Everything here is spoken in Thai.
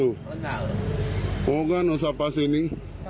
บอกไม่ใช่สะพกตัวนี้